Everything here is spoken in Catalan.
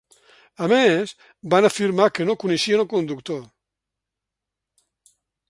A més van afirmar que no coneixien el conductor.